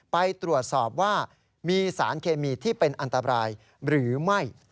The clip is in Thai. ไปตรวจสอบว่ามีสารเคมีที่เป็นอันตรายหรือไม่